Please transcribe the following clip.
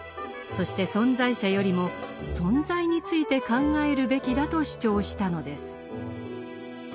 そして「存在者」よりも「存在」について考えるべきだと主張したのです。